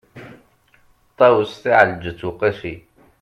ṭawes taεelǧeţ uqasi